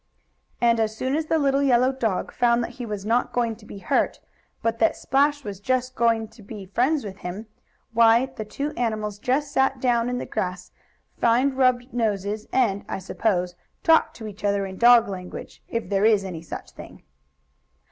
And as soon as the little yellow dog found that he was not going to be hurt, but that Splash was just going to be friends with him, why the two animals just sat down in the grass find rubbed noses and, I suppose, talked to each other in dog language, if there is any such thing.